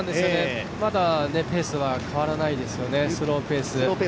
まだペースは変わらないですよね、スローペース。